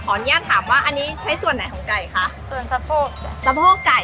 อนุญาตถามว่าอันนี้ใช้ส่วนไหนของไก่คะส่วนสะโพกสะโพกไก่